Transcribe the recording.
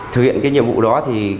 thực hiện nhiệm vụ đó